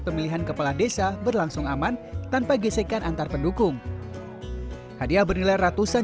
pemilihan kepala desa berlangsung aman tanpa gesekan antar pendukung hadiah bernilai ratusan